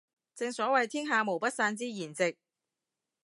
正所謂天下無不散之筵席